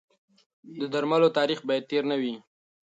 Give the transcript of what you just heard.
د درملو تاریخ باید تېر نه وي.